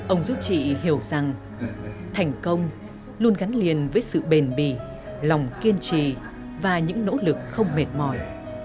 ông giúp chị hiểu rằng thành công luôn gắn liền với sự bền bỉ lòng kiên trì và những nỗ lực không mệt mỏi